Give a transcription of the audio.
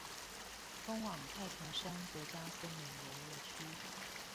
通往太平山國家森林遊樂區